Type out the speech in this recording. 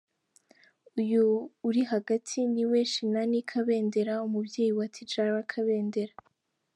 Uyu uri hagati niwe Shinani Kabendera, umubyeyi wa Tidjara Kabendera.